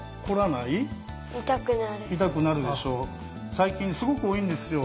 最近すごく多いんですよ。